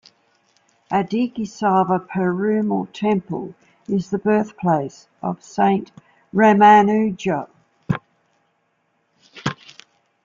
Adikesava Perumal Temple is the birthplace of Saint Ramanuja.